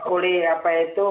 oleh apa itu